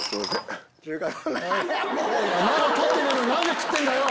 ・まだ撮ってねえのに何で食ってんだよ！